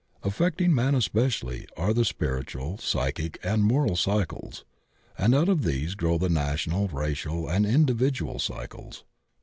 Affecting man especially are the spiritual, psychic, and moral cycles, and out of these grow the national, racial and individual cycles.